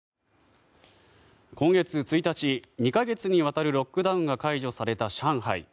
今月１日２か月にわたるロックダウンが解除された上海。